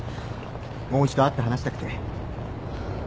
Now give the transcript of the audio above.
もう一度会って話したくて。